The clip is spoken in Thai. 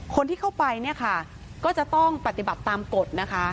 คนที่เข้าไปก็จะต้องปฏิบัติตามกฎนะคะ